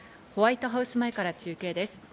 ホワイトハウス前から中継です。